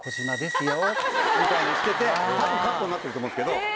みたいにしてて多分カットになってると思うんですけど。